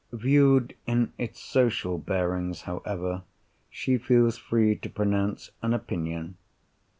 Viewed in its social bearings, however, she feels free to pronounce an opinion.